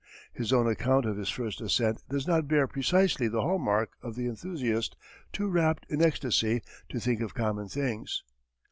His own account of his first ascent does not bear precisely the hall mark of the enthusiast too rapt in ecstasy to think of common things.